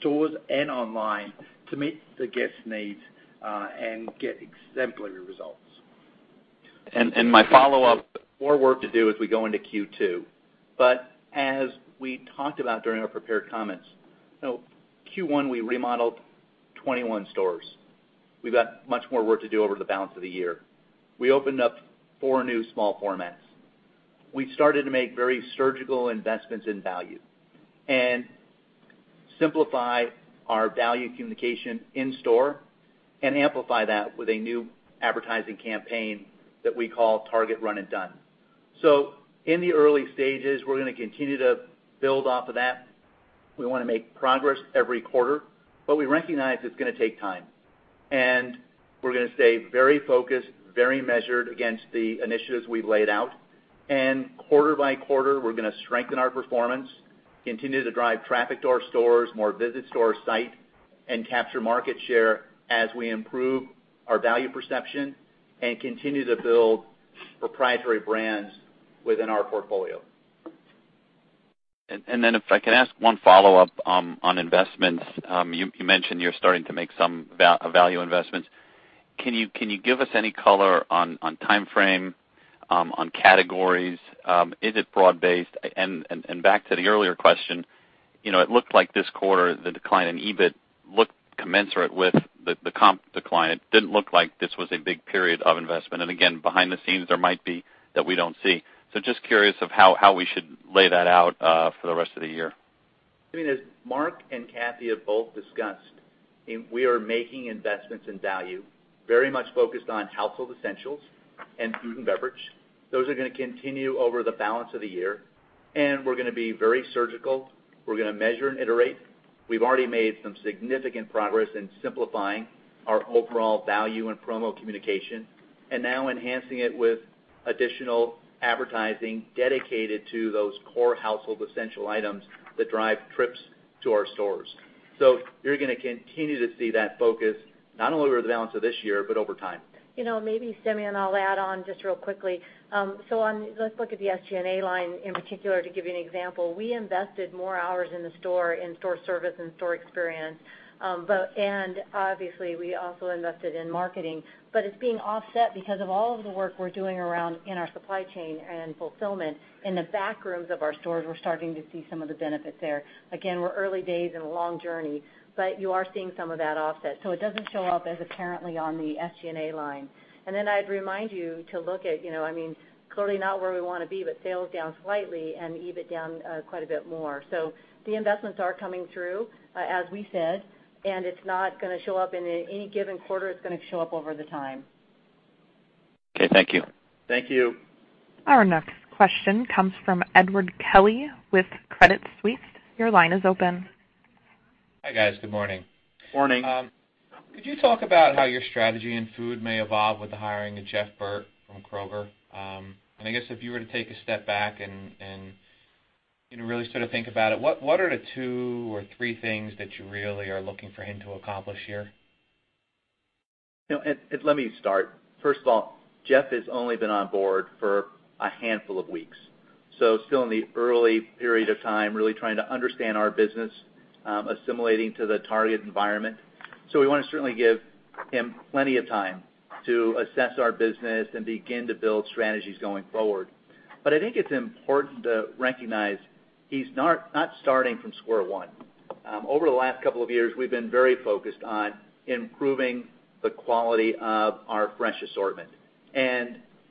stores and online to meet the guest's needs, and get exemplary results. My follow-up, more work to do as we go into Q2. As we talked about during our prepared comments, Q1 we remodeled 21 stores. We've got much more work to do over the balance of the year. We opened up four new small formats. We started to make very surgical investments in value and simplify our value communication in store and amplify that with a new advertising campaign that we call Target Run and Done. In the early stages, we're going to continue to build off of that. We want to make progress every quarter, but we recognize it's going to take time. We're going to stay very focused, very measured against the initiatives we've laid out. Quarter by quarter, we're going to strengthen our performance, continue to drive traffic to our stores, more visits to our site, and capture market share as we improve our value perception and continue to build proprietary brands within our portfolio. If I can ask one follow-up on investments. You mentioned you're starting to make some value investments. Can you give us any color on timeframe, on categories? Is it broad based? Back to the earlier question, it looked like this quarter, the decline in EBIT looked commensurate with the comp decline. It didn't look like this was a big period of investment. Again, behind the scenes, there might be that we don't see. Just curious of how we should lay that out for the rest of the year. I mean, as Mark and Cathy have both discussed, we are making investments in value, very much focused on household essentials and food and beverage. Those are going to continue over the balance of the year, and we're going to be very surgical. We're going to measure and iterate. We've already made some significant progress in simplifying our overall value and promo communication, and now enhancing it with additional advertising dedicated to those core household essential items that drive trips to our stores. You're going to continue to see that focus not only over the balance of this year, but over time. Maybe, Sammy, I'll add on just real quickly. Let's look at the SG&A line in particular to give you an example. We invested more hours in the store, in store service, and store experience. Obviously, we also invested in marketing. It's being offset because of all of the work we're doing around in our supply chain and fulfillment. In the back rooms of our stores, we're starting to see some of the benefits there. Again, we're early days in a long journey, but you are seeing some of that offset. It doesn't show up as apparently on the SG&A line. Then I'd remind you to look at, clearly not where we want to be, but sales down slightly and EBIT down quite a bit more. The investments are coming through, as we said, it's not going to show up in any given quarter. It's going to show up over the time. Okay. Thank you. Thank you. Our next question comes from Edward Kelly with Credit Suisse. Your line is open. Hi, guys. Good morning. Morning. Could you talk about how your strategy in food may evolve with the hiring of Jeff Burt from Kroger? I guess if you were to take a step back and really sort of think about it, what are the two or three things that you really are looking for him to accomplish here? Ed, let me start. First of all, Jeff has only been on board for a handful of weeks, still in the early period of time, really trying to understand our business, assimilating to the Target environment. We want to certainly give him plenty of time to assess our business and begin to build strategies going forward. I think it's important to recognize he's not starting from square one. Over the last couple of years, we've been very focused on improving the quality of our fresh assortment.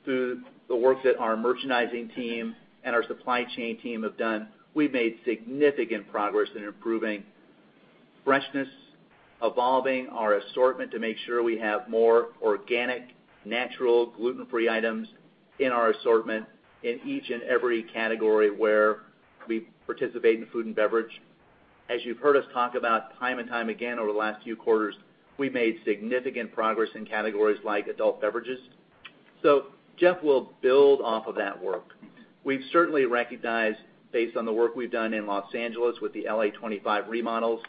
Through the work that our merchandising team and our supply chain team have done, we've made significant progress in improving freshness, evolving our assortment to make sure we have more organic, natural, gluten-free items in our assortment in each and every category where we participate in food and beverage. As you've heard us talk about time and time again over the last few quarters, we've made significant progress in categories like adult beverages. Jeff will build off of that work. We've certainly recognized, based on the work we've done in Los Angeles with the LA25 remodels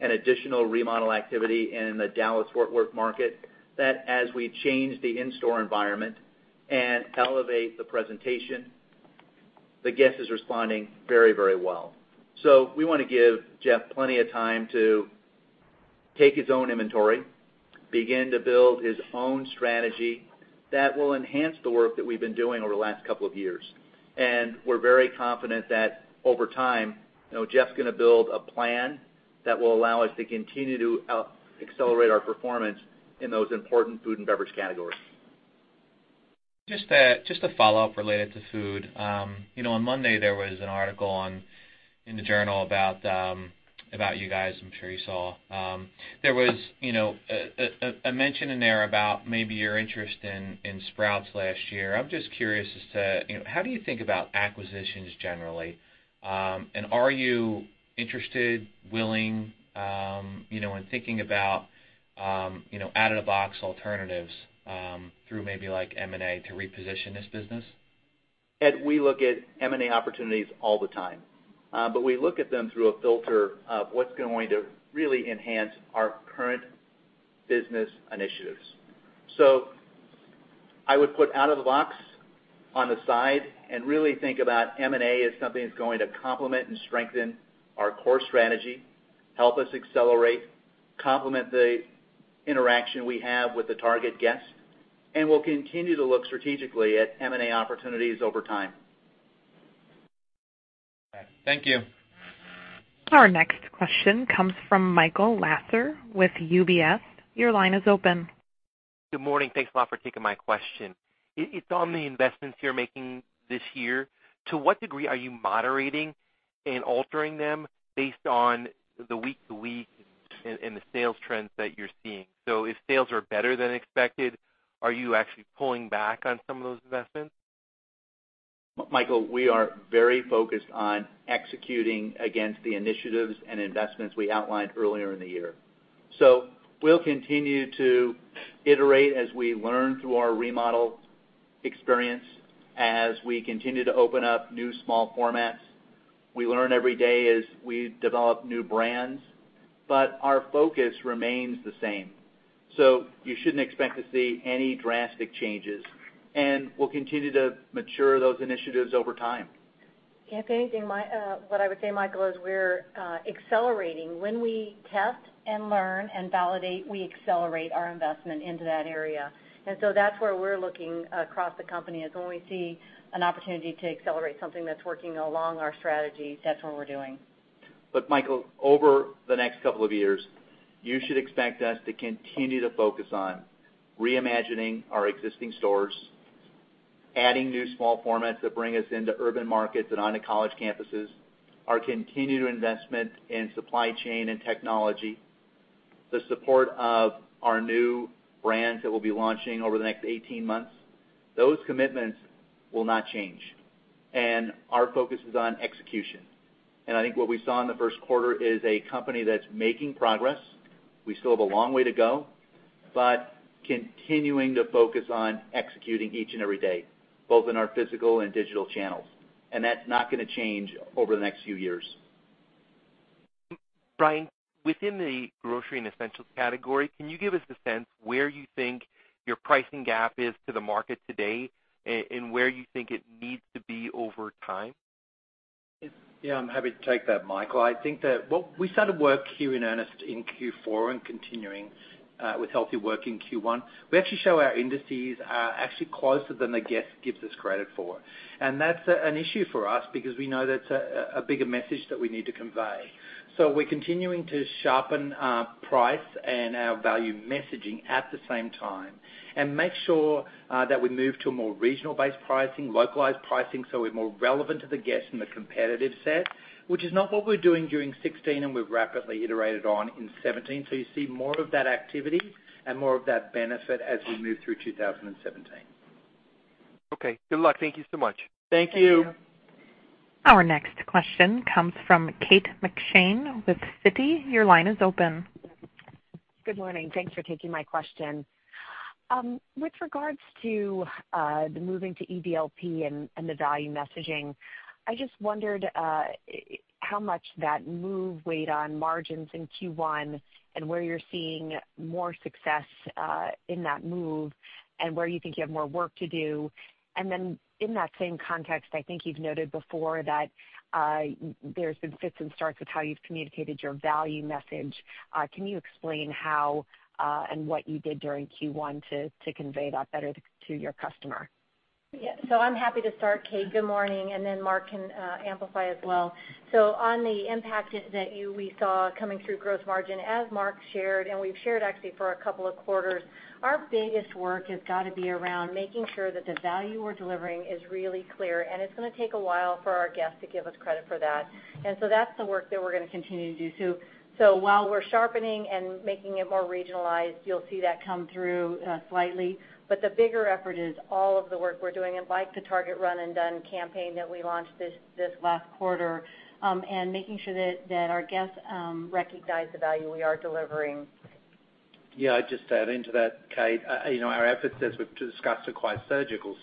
and additional remodel activity in the Dallas-Fort Worth market, that as we change the in-store environment and elevate the presentation, the guest is responding very well. We want to give Jeff plenty of time to take his own inventory, begin to build his own strategy that will enhance the work that we've been doing over the last couple of years. We're very confident that over time, Jeff's going to build a plan that will allow us to continue to accelerate our performance in those important food and beverage categories. Just a follow-up related to food. On Monday, there was an article in the Journal about you guys, I'm sure you saw. There was a mention in there about maybe your interest in Sprouts last year. I'm just curious as to how do you think about acquisitions generally? Are you interested, willing in thinking about out of the box alternatives through maybe like M&A to reposition this business? Ed, we look at M&A opportunities all the time. We look at them through a filter of what's going to really enhance our current business initiatives. I would put out of the box on the side and really think about M&A as something that's going to complement and strengthen our core strategy, help us accelerate, complement the interaction we have with the Target guests, and we'll continue to look strategically at M&A opportunities over time. Thank you. Our next question comes from Michael Lasser with UBS. Your line is open. Good morning. Thanks a lot for taking my question. It's on the investments you're making this year. To what degree are you moderating and altering them based on the week-to-week and the sales trends that you're seeing? If sales are better than expected, are you actually pulling back on some of those investments? Michael, we are very focused on executing against the initiatives and investments we outlined earlier in the year. We'll continue to iterate as we learn through our remodel experience, as we continue to open up new small formats. We learn every day as we develop new brands. Our focus remains the same. You shouldn't expect to see any drastic changes, and we'll continue to mature those initiatives over time. If anything, what I would say, Michael, is we're accelerating. When we test and learn and validate, we accelerate our investment into that area. That's where we're looking across the company, is when we see an opportunity to accelerate something that's working along our strategy, that's what we're doing. Look, Michael, over the next couple of years, you should expect us to continue to focus on reimagining our existing stores, adding new small formats that bring us into urban markets and onto college campuses, our continued investment in supply chain and technology, the support of our new brands that we'll be launching over the next 18 months. Those commitments will not change, our focus is on execution. I think what we saw in the first quarter is a company that's making progress. We still have a long way to go, but continuing to focus on executing each and every day, both in our physical and digital channels. That's not going to change over the next few years. Brian, within the grocery and essentials category, can you give us a sense where you think your pricing gap is to the market today, and where you think it needs to be over time? Yeah, I'm happy to take that, Michael. I think that what we started work here in earnest in Q4 and continuing with healthy work in Q1, we actually show our indices are actually closer than the guest gives us credit for. That's an issue for us because we know that's a bigger message that we need to convey. We're continuing to sharpen our price and our value messaging at the same time and make sure that we move to a more regional-based pricing, localized pricing, so we're more relevant to the guest in the competitive set, which is not what we were doing during 2016, and we've rapidly iterated on in 2017. You see more of that activity and more of that benefit as we move through 2017. Okay. Good luck. Thank you so much. Thank you. Thank you. Our next question comes from Kate McShane with Citi. Your line is open. Good morning. Thanks for taking my question. With regards to the moving to EDLP and the value messaging, I just wondered how much that move weighed on margins in Q1, and where you're seeing more success in that move, and where you think you have more work to do. In that same context, I think you've noted before that there's been fits and starts with how you've communicated your value message. Can you explain how and what you did during Q1 to convey that better to your customer? Yeah. I'm happy to start, Kate. Good morning. Mark can amplify as well. On the impact that we saw coming through gross margin, as Mark shared, and we've shared actually for a couple of quarters, our biggest work has got to be around making sure that the value we're delivering is really clear, and it's going to take a while for our guests to give us credit for that. That's the work that we're going to continue to do, too. While we're sharpening and making it more regionalized, you'll see that come through slightly. The bigger effort is all of the work we're doing, like the Target Run and Done campaign that we launched this last quarter, and making sure that our guests recognize the value we are delivering. Yeah, I'd just add into that, Kate, our efforts, as we've discussed, are quite surgical.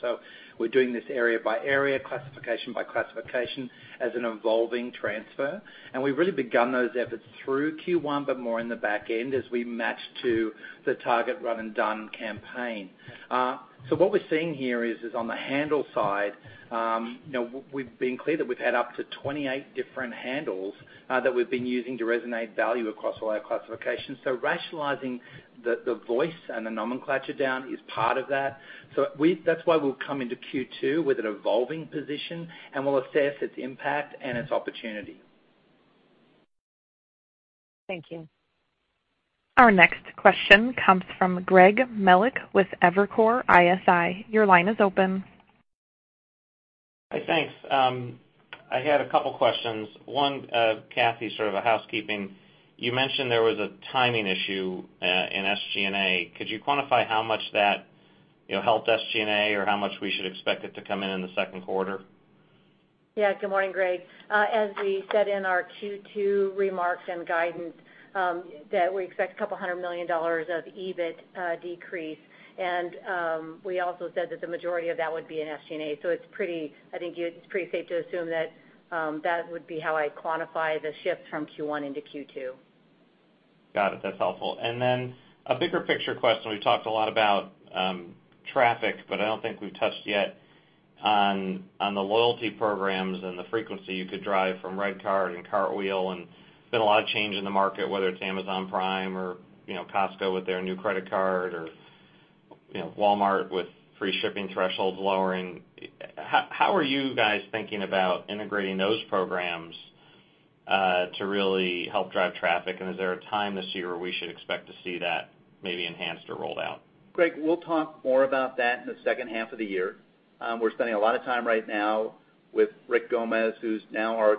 We're doing this area by area, classification by classification as an evolving transfer. We've really begun those efforts through Q1, but more in the back end as we match to the Target Run and Done campaign. What we're seeing here is on the handle side, we've been clear that we've had up to 28 different handles that we've been using to resonate value across all our classifications. Rationalizing the voice and the nomenclature down is part of that. That's why we'll come into Q2 with an evolving position, and we'll assess its impact and its opportunity. Thank you. Our next question comes from Greg Melich with Evercore ISI. Your line is open. Hey, thanks. I had a couple questions. One, Cathy, sort of a housekeeping. You mentioned there was a timing issue in SG&A. Could you quantify how much that helped SG&A, or how much we should expect it to come in in the second quarter? Yeah. Good morning, Greg. As we said in our Q2 remarks and guidance, that we expect a couple hundred million dollars of EBIT decrease. We also said that the majority of that would be in SG&A. I think it's pretty safe to assume that would be how I quantify the shift from Q1 into Q2. Got it. That's helpful. Then a bigger picture question. We've talked a lot about traffic, but I don't think we've touched yet on the loyalty programs and the frequency you could drive from RedCard and Cartwheel. There's been a lot of change in the market, whether it's Amazon Prime or Costco with their new credit card, or Walmart with free shipping thresholds lowering. How are you guys thinking about integrating those programs, to really help drive traffic? Is there a time this year where we should expect to see that maybe enhanced or rolled out? Greg, we'll talk more about that in the second half of the year. We're spending a lot of time right now with Rick Gomez, who's now our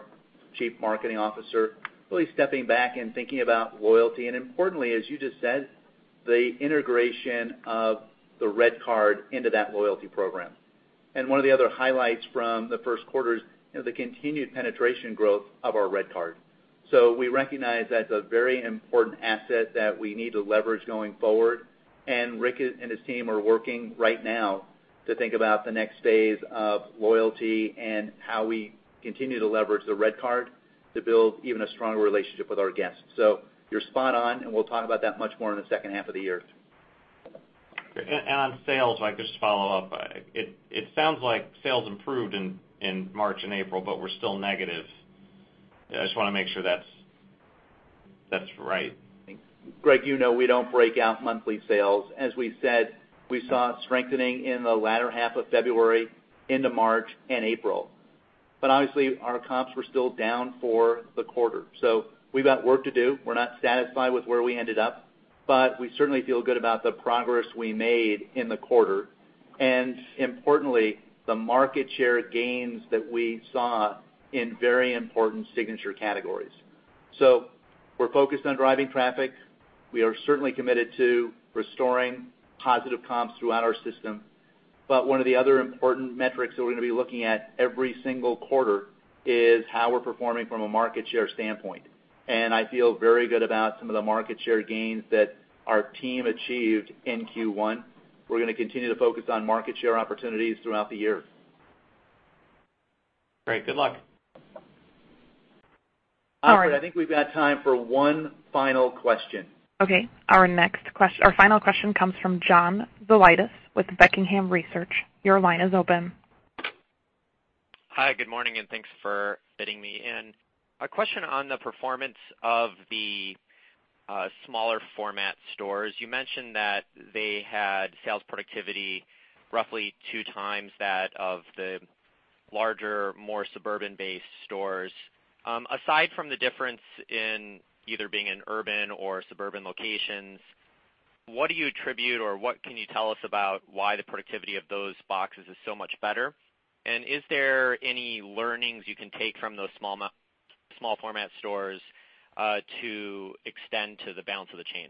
Chief Marketing Officer, really stepping back and thinking about loyalty, and importantly, as you just said, the integration of the RedCard into that loyalty program. One of the other highlights from the first quarter is the continued penetration growth of our RedCard. We recognize that's a very important asset that we need to leverage going forward. Rick and his team are working right now to think about the next phase of loyalty and how we continue to leverage the RedCard to build even a stronger relationship with our guests. You're spot on, and we'll talk about that much more in the second half of the year. On sales, if I could just follow up. It sounds like sales improved in March and April, but were still negative. I just want to make sure that's right. Greg, you know we don't break out monthly sales. As we said, we saw strengthening in the latter half of February into March and April. Obviously, our comps were still down for the quarter. We've got work to do. We're not satisfied with where we ended up, but we certainly feel good about the progress we made in the quarter, and importantly, the market share gains that we saw in very important signature categories. We're focused on driving traffic. We are certainly committed to restoring positive comps throughout our system. One of the other important metrics that we're going to be looking at every single quarter is how we're performing from a market share standpoint. I feel very good about some of the market share gains that our team achieved in Q1. We're going to continue to focus on market share opportunities throughout the year. Great. Good luck. Operator, I think we've got time for one final question. Okay. Our final question comes from John Hulbert with Buckingham Research. Your line is open. Hi, good morning, thanks for fitting me in. A question on the performance of the smaller format stores. You mentioned that they had sales productivity roughly two times that of the larger, more suburban-based stores. Aside from the difference in either being in urban or suburban locations, what do you attribute or what can you tell us about why the productivity of those boxes is so much better? Is there any learnings you can take from those small format stores to extend to the balance of the chain?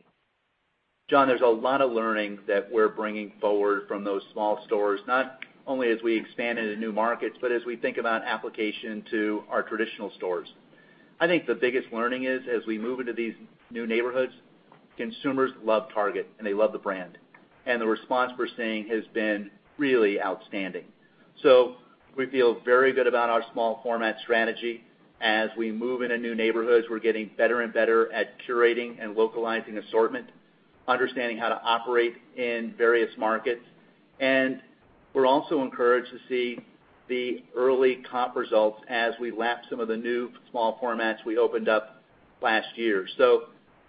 John, there's a lot of learning that we're bringing forward from those small stores, not only as we expand into new markets, but as we think about application to our traditional stores. I think the biggest learning is as we move into these new neighborhoods, consumers love Target, they love the brand. The response we're seeing has been really outstanding. We feel very good about our small format strategy. As we move into new neighborhoods, we're getting better and better at curating and localizing assortment, understanding how to operate in various markets. We're also encouraged to see the early comp results as we lap some of the new small formats we opened up last year.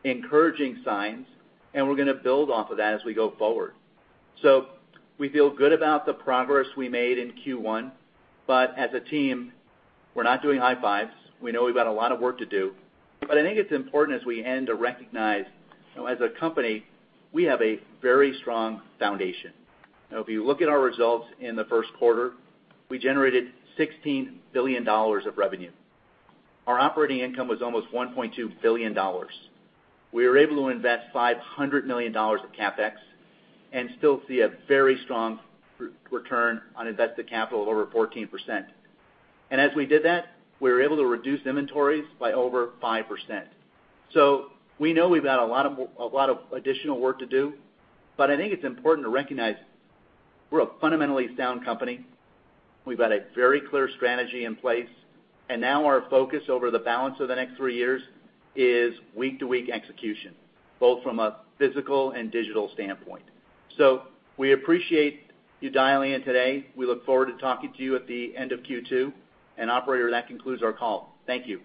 Encouraging signs, and we're going to build off of that as we go forward. We feel good about the progress we made in Q1, but as a team, we're not doing high fives. We know we've got a lot of work to do, but I think it's important as we end to recognize, as a company, we have a very strong foundation. If you look at our results in the first quarter, we generated $16 billion of revenue. Our operating income was almost $1.2 billion. We were able to invest $500 million of CapEx and still see a very strong return on invested capital of over 14%. As we did that, we were able to reduce inventories by over 5%. We know we've got a lot of additional work to do, but I think it's important to recognize we're a fundamentally sound company. We've got a very clear strategy in place. Now our focus over the balance of the next three years is week-to-week execution, both from a physical and digital standpoint. We appreciate you dialing in today. We look forward to talking to you at the end of Q2. Operator, that concludes our call. Thank you.